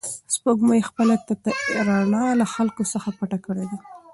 سپوږمۍ خپله تتې رڼا له خلکو څخه پټه کړې ده.